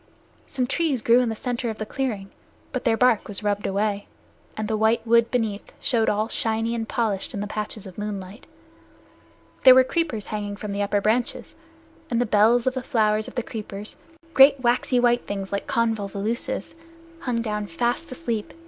Some trees grew in the center of the clearing, but their bark was rubbed away, and the white wood beneath showed all shiny and polished in the patches of moonlight. There were creepers hanging from the upper branches, and the bells of the flowers of the creepers, great waxy white things like convolvuluses, hung down fast asleep.